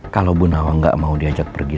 kalau bu nawang gak mau diajak pergi